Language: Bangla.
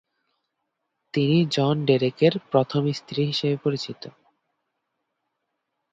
তিনি জন ডেরেকের প্রথম স্ত্রী হিসেবে পরিচিত।